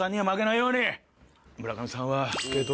村上さんは。